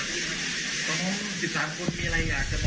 แล้วก็ตอนที่บอกว่าผมดอมดวงเพชรครับ